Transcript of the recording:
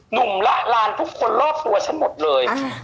ละลานทุกคนรอบตัวฉันหมดเลย